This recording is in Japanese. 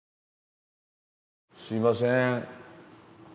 すいません。